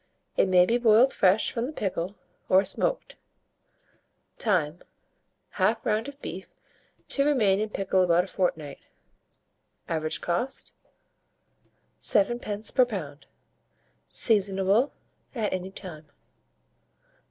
It may be boiled fresh from the pickle, or smoked. Time. 1/2 round of beef to remain in pickle about a fortnight. Average cost, 7d. per lb. Seasonable at any time.